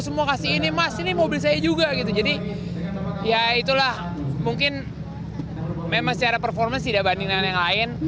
semua kasih ini mas ini mobil saya juga gitu jadi ya itulah mungkin memang secara performance tidak banding dengan yang lain